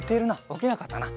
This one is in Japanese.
おきなかったな。